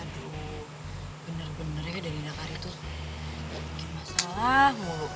aduh bener bener ya dari nak ari tuh bikin masalah mulu